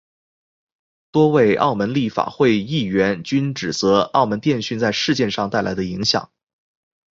多位澳门立法会议员均指责澳门电讯在事件上带来的影响。